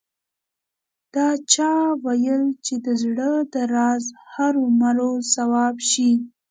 دا چا ویل چې د زړه د راز هرو مرو ځواب شي